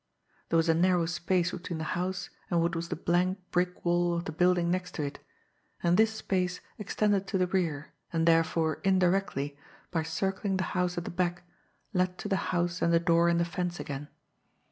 There was a narrow space between the house and what was the blank brick wall of the building next to it, and this space extended to the rear, and therefore, indirectly, by circling the house at the back, led to the house and the door in the fence again.